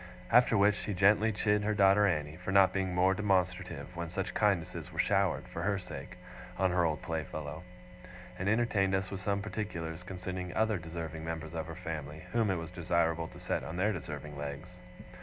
After which she gently chid her daughter Annie, for not being more demonstrative when such kindnesses were showered, for her sake, on her old playfellow; and entertained us with some particulars concerning other deserving members of her family, whom it was desirable to set on their deserving legs.